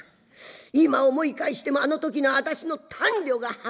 今思い返してもあの時の私の短慮が恥ずかしい。